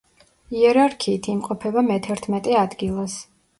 იერარქიით იმყოფება მეთერთმეტე ადგილას.